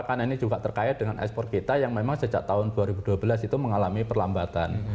karena ini juga terkait dengan ekspor kita yang memang sejak tahun dua ribu dua belas itu mengalami perlambatan